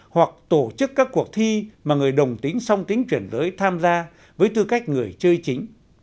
hoặc tổ chức các cuộc thi mà người đồng tính song tính chuyển giới tham gia với tư cách người chơi chính